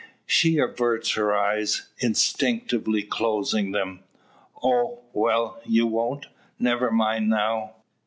She averts her eyes, instinctively closing them. "Oh, well, you won't? Never mind, now.